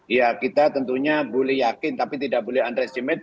ya kita tentunya boleh yakin tapi tidak boleh underestimate